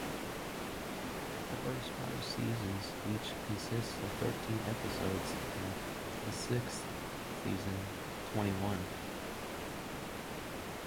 The first five seasons each consist of thirteen episodes, and the sixth season twenty-one.